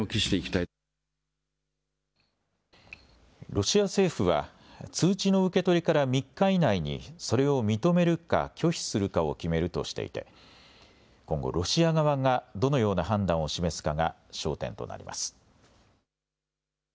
ロシア政府は、通知の受け取りから３日以内に、それを認めるか、拒否するかを決めるとしていて、今後ロシア側がどのような判断を示すかが焦点となります。